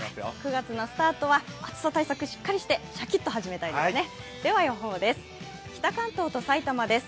９月のスタートは暑さ対策をしっかりしてシャキッと始めたいですね。